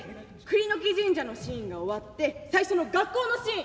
栗の木神社のシーンが終わって最初の学校のシーン。